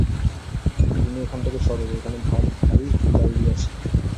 তুমি এখান থেকে সরো, এখানে ভারি ধুলা উড়াইয়াছে।